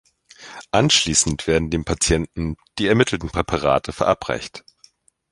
Anschließend werden dem Patienten die ermittelten Präparate verabreicht.